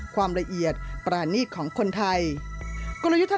ความละเอียดปรานีตของคนไทย